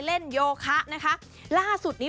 โยคะนะคะล่าสุดนี้